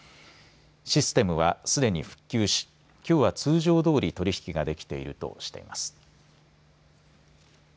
システムはすでに復旧しきょうは通常どおり取り引きができているとしています。